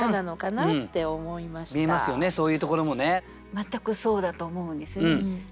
全くそうだと思うんですね。